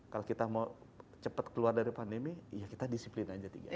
kalau kita mau cepat keluar dari pandemi ya kita disiplin aja tiga m